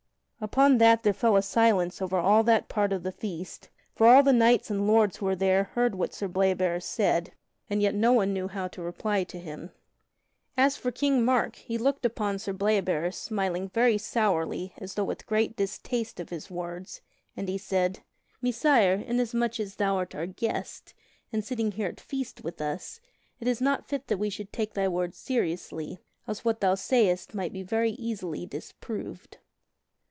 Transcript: Upon that there fell a silence over all that part of the feast, for all the knights and lords who were there heard what Sir Bleoberis said, and yet no one knew how to reply to him. As for King Mark, he looked upon Sir Bleoberis, smiling very sourly, and as though with great distaste of his words, and he said: "Messire, inasmuch as thou art our guest, and sitting here at feast with us, it is not fit that we should take thy words seriously; else what thou sayst might be very easily disproved."